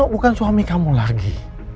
bukan suami kamu lagi